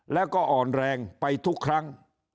แล้วก็อ่อนแรงไปทุกครั้ง